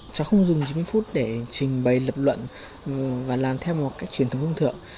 cháu không dùng chín mươi phút để trình bày lập luận và làm theo một cách truyền thống thông thường